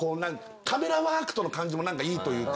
カメラワークとの感じも何かいいというか。